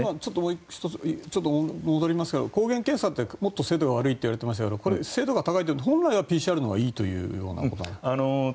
１つ戻りますが抗原検査ってもっと精度が悪いって言われていましたが精度が高いというのは本来はＰＣＲがいいということですか。